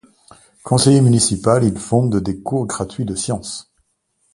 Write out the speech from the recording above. Conseiller municipal, il y fonde des cours gratuits de sciences.